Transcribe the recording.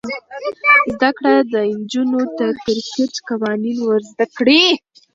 زده کړه نجونو ته د کرکټ قوانین ور زده کوي.